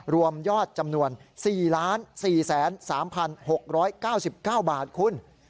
รวมยอดจำนวน๔๔๓๖๙๙บาทคุณ